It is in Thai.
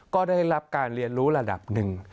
ก็ได้รับการเรียนรู้ระดับหนึ่ง